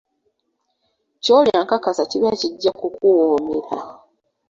Ky'olya nkakasa kiba kijja kukuwoomera.